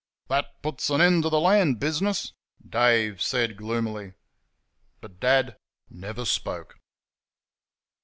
"That puts an end to the land business!" Dave said gloomily. But Dad never spoke.